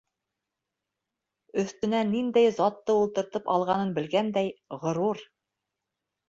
Өҫтөнә ниндәй затты ултыртып алғанын белгәндәй, ғорур!